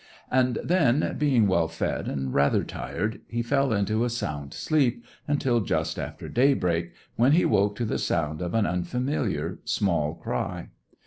And then, being well fed and rather tired, he fell into a sound sleep until just after daybreak, when he woke to the sound of an unfamiliar small cry.